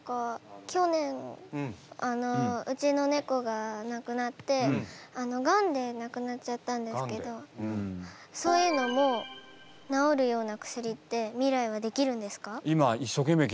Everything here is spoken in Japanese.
去年うちのネコがなくなってガンでなくなっちゃったんですけどそういうのも治るような薬って未来はできるんですか？